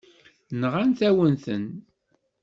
Nɣant-awen-ten.